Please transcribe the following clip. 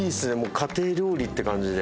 家庭料理って感じで。